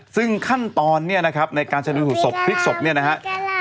ซึ่งขั้นตอนในการชะนดูขุดศพฤทธิศพริกษศพ